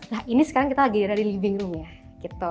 nah ini sekarang kita lagi ada di living room nya